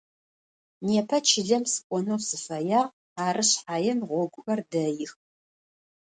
Nêpe çılem sık'oneu sıfeyağ, arı şshay ğoguxer deix.